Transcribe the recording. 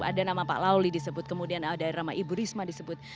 ada nama pak lauli disebut kemudian ada nama ibu risma disebut